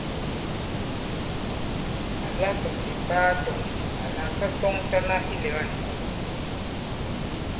Àla sɔ̀ ndì m ɓaa tɔ̄ŋ àlà sa sɔŋtana ilɛ̀ga ìŋkò.